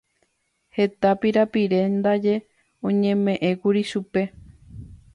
Heta pirapire ndaje oñemeʼẽkuri chupe.